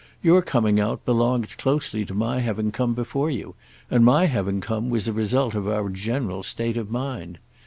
Your coming out belonged closely to my having come before you, and my having come was a result of our general state of mind.